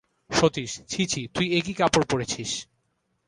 সতীশ, ছি ছি, তুই এ কী কাপড় পরেছিস।